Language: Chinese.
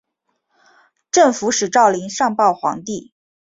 镇抚使赵霖上报皇帝。